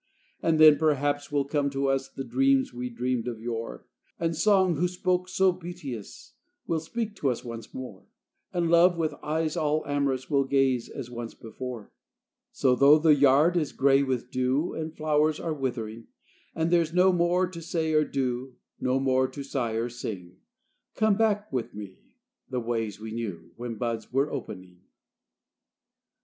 And then, perhaps, will come to us The dreams we dreamed of yore; And song, who spoke so beauteous, Will speak to us once more; And love, with eyes all amorous, Will gaze as once before. So 'though the yard is gray with dew, And flowers are withering, And there's no more to say or do, No more to sigh or sing, Come back with me the ways we knew When buds were opening.